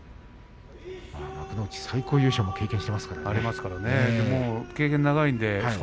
幕内最高優勝も経験してますからね。